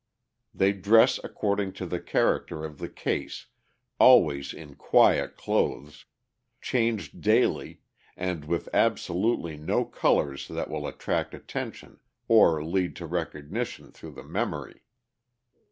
They dress according to the character of the case, always in quiet clothes, changed daily, and with absolutely no colors that will attract attention or lead to recognition through the memory.